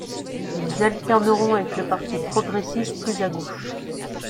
Ils alterneront avec le Parti progressiste, plus à gauche.